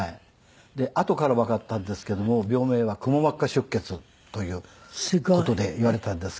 あとからわかったんですけども病名はくも膜下出血という事で言われたんですけども。